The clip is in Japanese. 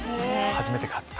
初めて買った。